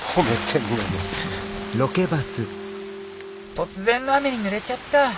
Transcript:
「突然の雨にぬれちゃった。